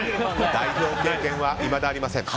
代表経験はいまだありません。